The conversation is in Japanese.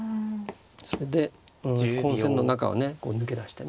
それで混戦の中をね抜け出してね。